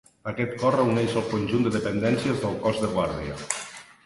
Aquest cos reuneix el conjunt de dependències del cos de guàrdia.